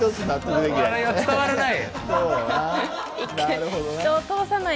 笑いが伝わらない？